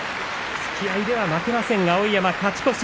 突き合いでは負けません。